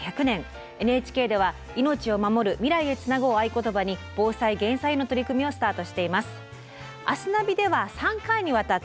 ＮＨＫでは「命をまもる未来へつなぐ」を合言葉に防災・減災への取り組みをスタートしています。